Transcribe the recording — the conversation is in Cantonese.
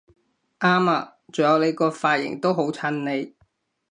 啱吖！仲有你個髮型都好襯你！